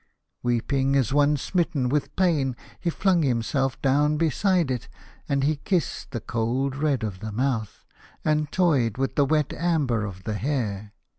Weeping as one smitten with pain he flung himself down beside it, and he kissed the cold red of the mouth, and toyed with the wet amber of the hair.